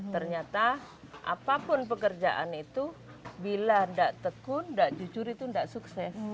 ternyata apapun pekerjaan itu bila gak tekun gak jujur itu gak sukses